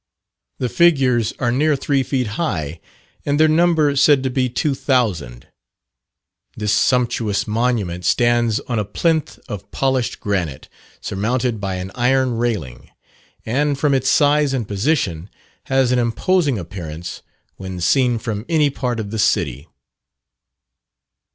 The figures are near three feet high, and their number said to be two thousand. This sumptuous monument stands on a plinth of polished granite, surmounted by an iron railing; and, from its size and position, has an imposing appearance when seen from any part of the city.